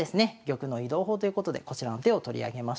玉の移動法ということでこちらの手を取り上げました。